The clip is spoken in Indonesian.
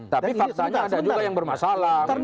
tapi faktanya ada juga yang bermasalah